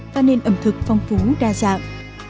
và nên ẩm thực phong phú đa dạng